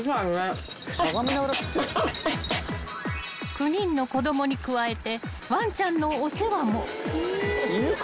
［９人の子供に加えてわんちゃんのお世話も］